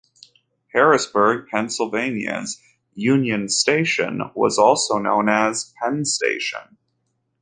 Harrisburg, Pennsylvania's Union Station was also known as Penn Station.